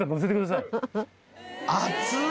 熱い！